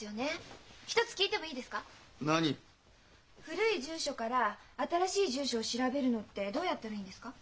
古い住所から新しい住所を調べるのってどうやったらいいんですか？